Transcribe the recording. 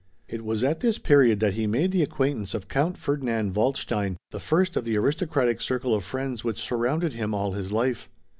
It was at this period that he made the acquaintance of Count Ferdinand Waldstein, the first of the aristocratic circle of friends which surrounded him all his life.